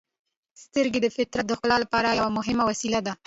• سترګې د فطرت ښکلا لپاره یوه مهمه وسیله ده.